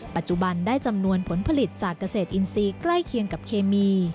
ปัจจุบันได้จำนวนผลผลิตจากเกษตรอินทรีย์ใกล้เคียงกับเคมี